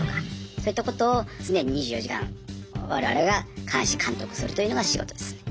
そういったことを常に２４時間我々が監視・監督するというのが仕事です。